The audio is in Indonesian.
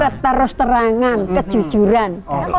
keterus terangan kejujuran